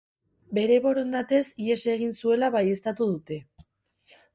Bere borondatez ihes egin zuela baieztatu dute.